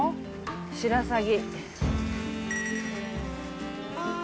シラサギ。